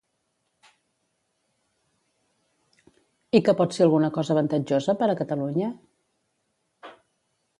I que pot ser alguna cosa avantatjosa per a Catalunya?